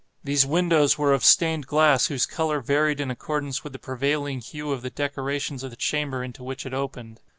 These windows were of stained glass whose color varied in accordance with the prevailing hue of the decorations of the chamber into which it opened.